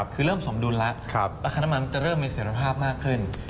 คือเริ่มสมดุลแล้วราคาน้ำมันจะเริ่มมีเสร็จภาพมากขึ้น